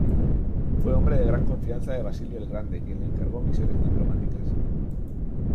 Fue hombre de gran confianza de Basilio el Grande quien le encargó misiones diplomáticas.